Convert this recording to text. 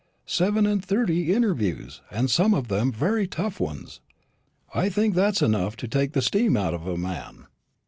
Seven and thirty interviews, and some of them very tough ones. I think that's enough to take the steam out of a man."